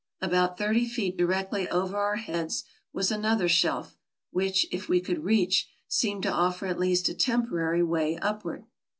About thirty feet directly over our heads was another shelf, which, if we could reach, seemed to offer at least a temporary way upward.